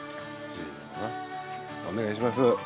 お願いします。